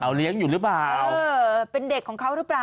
เลี้ยงอยู่หรือเปล่าเออเป็นเด็กของเขาหรือเปล่า